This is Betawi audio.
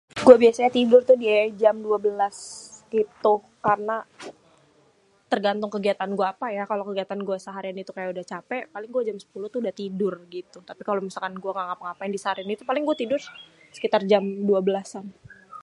gua biasanyê tidur tuh di jam dua belas.. gituh... karena tergantung kegiatan gua apa ya.. kalo kegiatan gua seharian itu udah capèk, paling gua jam sêpuluh itu udah tidur.. tapi kalo misal seharian gua ngga ngapai-ngapain paling gua tidur sekitar jam dua belasan..